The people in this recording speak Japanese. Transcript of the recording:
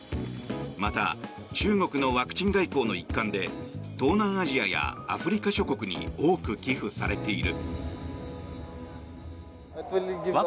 また、中国のワクチン外交の一環で東南アジアやアフリカ諸国に多く寄付されている。